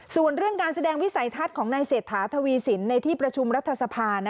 ส่วนเรื่องการแสดงวิสัยทัศน์ของนายเศรษฐาทวีสินในที่ประชุมรัฐสภา